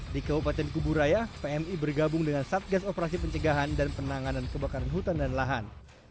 di kabupaten kuburaya pmi bergabung dengan satgas operasi pencegahan dan penanganan kebakaran hutan dan lahan